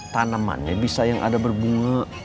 tanamannya bisa yang ada berbunga